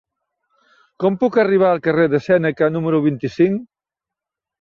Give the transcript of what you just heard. Com puc arribar al carrer de Sèneca número vint-i-cinc?